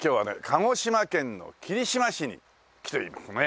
鹿児島県の霧島市に来ていますね。